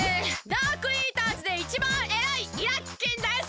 ダークイーターズでいちばんえらいイラッキンです。